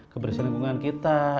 kebersihan lingkungan kita